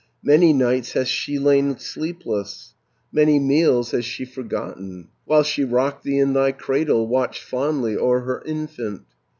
Many nights has she lain sleepless, Many meals has she forgotten, While she rocked thee in thy cradle, Watching fondly o'er her infant.